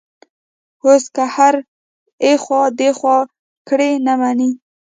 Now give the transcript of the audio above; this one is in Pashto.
اوس که هر ایخوا دیخوا کړي، نه مني.